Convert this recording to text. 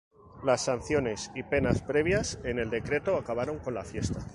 Las sanciones y penas previstas en el decreto acabaron con la fiesta.